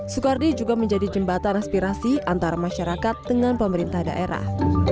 soekardi juga menjadi jembatan aspirasi antara masyarakat dengan pemerintah daerah